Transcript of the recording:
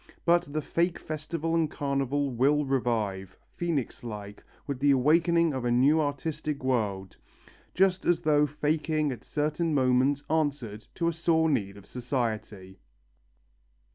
But the fake festival and carnival will revive, phœnix like, with the awakening of a new artistic world just as though faking at certain moments answered to a sore need of society.